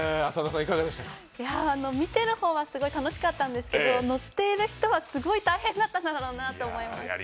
見てる方は、すごい楽しかったんですけど乗っている人はすごい大変だっただろうなと思います。